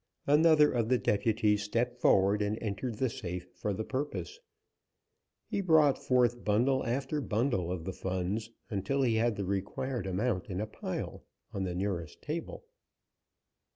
Another of the deputies stepped forward and entered the safe for the purpose. He brought forth bundle after bundle of the funds, until he had the required amount in a pile on the nearest table.